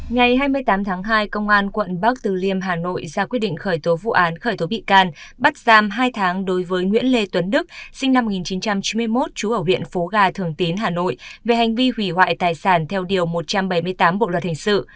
ngày hai mươi tám tháng hai công an quận bắc từ liêm hà nội ra quyết định khởi tố vụ án khởi tố bị can bắt giam hai tháng đối với nguyễn lê tuấn đức sinh năm một nghìn chín trăm chín mươi một trú ở huyện phú gà thường tín hà nội về hành vi hủy hoại tài sản theo điều một trăm bảy mươi tám bộ luật hình sự